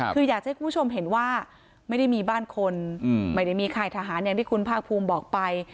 คืออยากให้คุณผู้ชมเห็นว่าไม่ได้มีบ้านคนไม่ได้มีค่ายทหารอย่างที่คุณภาคภูมิบอกไป